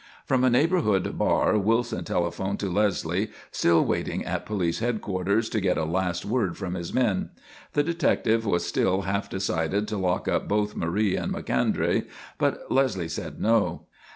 From a neighbourhood bar Wilson telephoned to Leslie, still waiting at police headquarters to get a last word from his men. The detective was still half decided to lock up both Marie and Macondray, but Leslie said no.